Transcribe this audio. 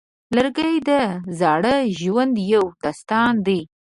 لرګی د زاړه ژوند یو داستان دی.